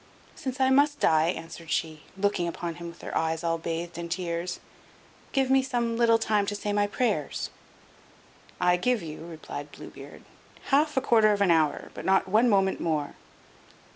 "Since I must die," answered she (looking upon him with her eyes all bathed in tears), "give me some little time to say my prayers." "I give you," replied Blue Beard, "half a quarter of an hour, but not one moment more."